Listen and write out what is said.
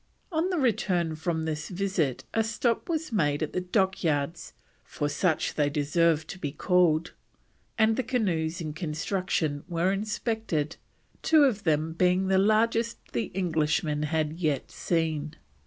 On the return from this visit a stop was made "at the dockyards, for such they deserve to be called," and the canoes in construction were inspected, two of them being the largest the Englishmen had yet seen.